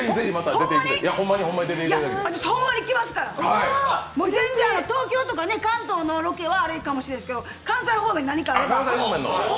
ほんまに来ますから全然東京とか関東のロケはあれかもしれないですけど関西方面何かあれば。